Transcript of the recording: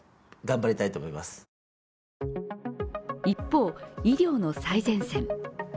一方、医療の最前線。